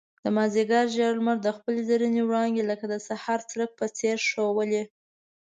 د مازيګر زېړ لمر خپل زرينې وړانګې لکه د سهار څرک په څېر ښوولې.